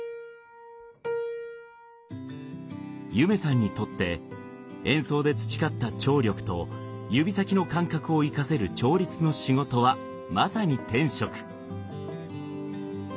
夢さんにとって演奏で培った聴力と指先の感覚を生かせる調律の仕事はまさに天職。